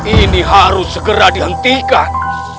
ini harus segera dihentikan